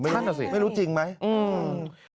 นั่นน่ะสิไม่รู้จริงไหมอืม